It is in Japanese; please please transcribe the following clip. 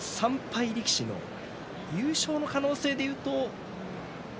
３敗力士の優勝の可能性でいうと。